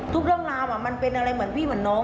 เรื่องราวมันเป็นอะไรเหมือนพี่เหมือนน้อง